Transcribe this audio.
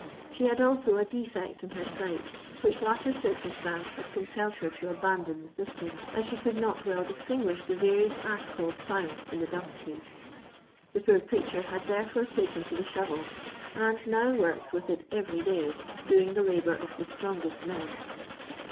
She had also a defect in her sight, which latter circumstance had compelled her to abandon the sifting, as she could not well distinguish the various articles found in the dust heap. The poor creature had therefore taken to the shovel, and now works with it every day, doing the kbour of the strongest men.